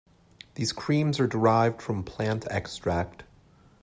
These creams are derived from plant extract.